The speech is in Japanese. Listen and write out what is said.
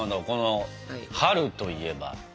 この春といえば。